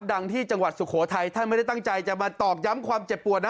ดังที่จังหวัดสุโขทัยท่านไม่ได้ตั้งใจจะมาตอกย้ำความเจ็บปวดนะ